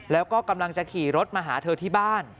แล้วก็กำลังจะขี่รถมาหาเธอที่บ้าน